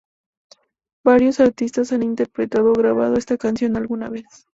Varios artistas han interpretado o grabado esta canción alguna vez.